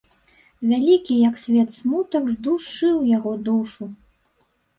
Вялікі, як свет, смутак здушыў яго душу.